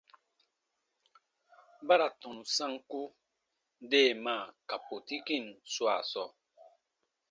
Ba ra tɔnu sanku deemaa ka pootikin swaa sɔɔ.